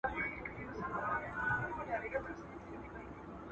د انګېزې خاوندان د نورو خلکو په پرتله ډېر ژر خپلو موخو ته رسېږي.